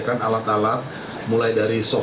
lalu yang ketiga adalah kelompok yang diambil uang